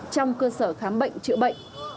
trong cơ sở khám bệnh chữa bệnh